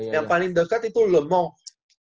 yang paling deket itu le mans